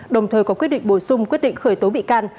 đồng thời có quyết định bổ sung quyết định khởi tố bị can